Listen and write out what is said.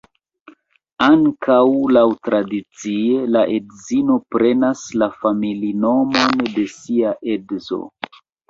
Ankaŭ laŭtradicie, la edzino prenas la familinomon de sia edzo.